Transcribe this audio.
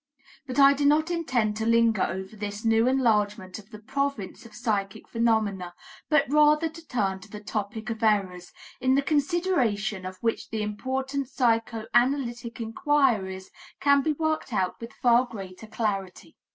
But I do not intend to linger over this new enlargement of the province of psychic phenomena, but rather to return to the topic of errors, in the consideration of which the important psychoanalytic inquiries can be worked out with far greater clarity.